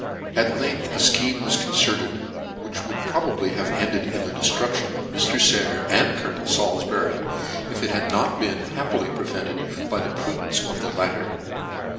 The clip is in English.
At Icfioth a fcheme was concerted; which would probably have ended in the deflruction of Mr. RICHARD NOBLE. .for Murder. 153 Mr. Saycr and Colonel Salisbury, if it had not been happily prevented by the prudence of the latter.